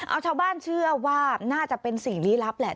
เอาชาวบ้านเชื่อว่าน่าจะเป็นสิ่งลี้ลับแหละ